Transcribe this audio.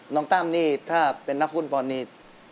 น้องตามนี่ถ้าเป็นนักฝุ่นบอลนี่